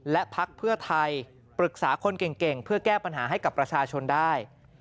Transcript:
และพักเพื่อไทยปรึกษาคนเก่งเพื่อแก้ปัญหาให้กับประชาชนได้